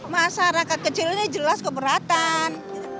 masyarakat kecilnya jelas keberatan